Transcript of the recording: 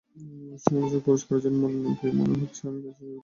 সমালোচক পুরস্কারের জন্য মনোনয়ন পেয়ে মনে হচ্ছে, আমি কাজটি সঠিকভাবে করতে পেরেছি।